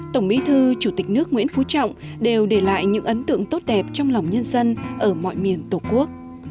tổng bí thư chủ tịch nước nguyễn phú trọng đều để lại những ấn tượng tốt đẹp trong lòng nhân dân ở mọi miền tổ quốc